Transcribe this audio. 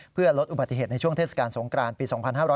เพื่อลดอุบัติเหตุในช่วงเทศกาลสงกรานปี๒๕๕๙